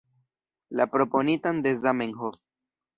La proponitan de Zamenhof.